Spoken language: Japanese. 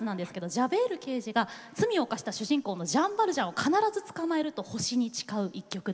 ジャベール刑事が罪を犯した主人公のジャン・バルジャンを必ず捕まえると星に誓う一曲です。